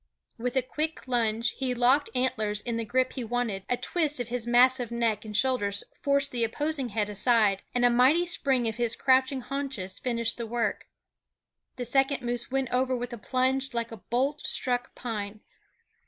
With a quick lunge he locked antlers in the grip he wanted; a twist of his massive neck and shoulders forced the opposing head aside, and a mighty spring of his crouching haunches finished the work. The second moose went over with a plunge like a bolt struck pine.